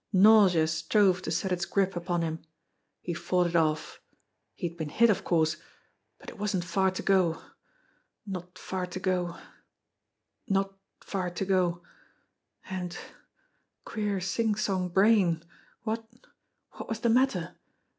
Nausea strove to set its grip upon him. He fought it off. He had been hit, of course, but it wasn't far to go not far to go not far to go and queer sing song brain what what was the matter?